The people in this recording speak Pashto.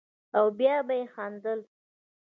او بيا به يې خندل.